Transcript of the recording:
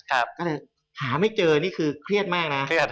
ก็เลยหาไม่เจอนี่คือเครียดมากนะ